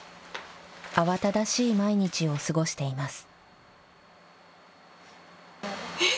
慌ただしい毎日を過ごしています。